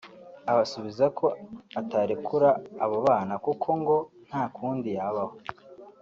abasubiza ko atarekura abo bana kuko ngo nta kundi yabaho